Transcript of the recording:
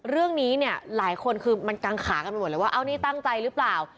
เรื่องนี้เนี่ยหลายคนคือมันกังขากันไปหมดเลยว่าเอานี่ตั้งใจหรือเปล่า